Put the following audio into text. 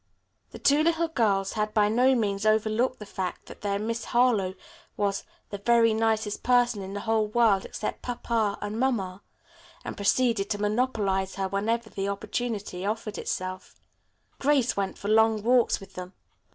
The two little girls had by no means overlooked the fact that their Miss Harlowe was "the very nicest person in the whole world except papa and mamma," and proceeded to monopolize her whenever the opportunity offered itself. Grace went for long walks with them.